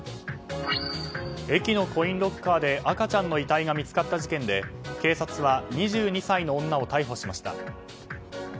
駅のコインロッカーで赤ちゃんの遺体が見つかった事件で警察は２２歳の女を逮捕しました。